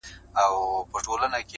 o ډيره ژړا لـــږ خـــنــــــــــدا.